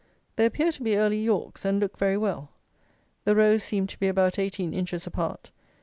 They appear to be early Yorks, and look very well. The rows seem to be about eighteen inches apart.